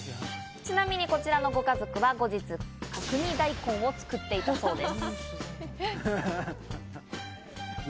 ちなみにこちらのご家族は後日、角煮大根を作っていたそうです。